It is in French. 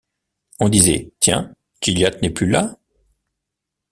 On disait: Tiens, Gilliatt n’est plus là.